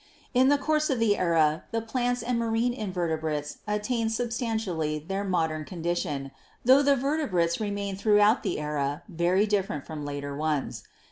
In the course of the era the Plants and marine Invertebrates attained substantially their modern condition, tho the Vertebrates remain throughout the era very different from later ones.